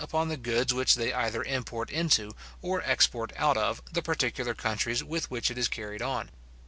upon the goods which they either import into, or export out of, the particular countries with which it is carried on.